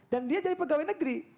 dan dia jadi pegawai negeri